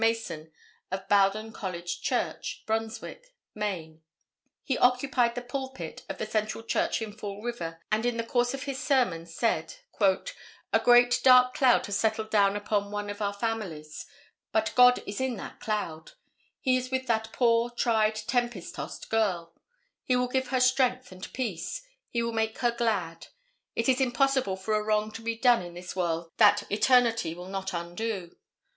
Mason of Bowden College Church, Brunswick, Me. He occupied the pulpit of the Central Church in Fall River and in the course of his sermon said "A great, dark cloud has settled down upon one of our families. But God is in that cloud. He is with that poor, tried tempest tossed girl; he will give her strength and peace; he will make her glad. It is impossible for a wrong to be done in this world that eternity will not undo.